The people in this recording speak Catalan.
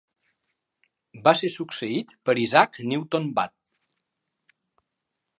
Va ser succeït per Isaac Newton Watt.